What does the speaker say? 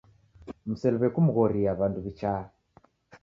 Mseliwe kumghoria W'andu wichaa.